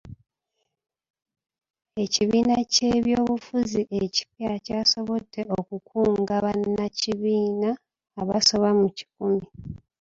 Ekibiina ky'ebyobufuzi ekipya kyasobodde okukunga bannakibiina abasoba mu kikumi.